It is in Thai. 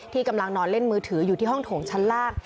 กำลังนอนเล่นมือถืออยู่ที่ห้องโถงชั้นล่าง